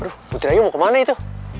aduh putri aja mau kemana itu